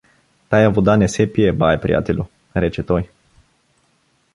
— Тая вода се не пие, бае приятелю — рече той.